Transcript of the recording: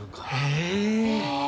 へえ。